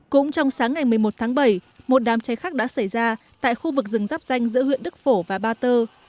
cũng trong sáng ngày một mươi một tháng bảy một đám cháy khác đã xảy ra tại khu vực rừng rắp danh giữa huyện đức phổ và ba tơ